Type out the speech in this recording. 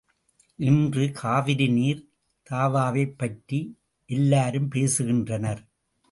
இன்று காவிரி நீர் தாவாவைப் பற்றி எல்லாரும் பேசுகின்றனர்.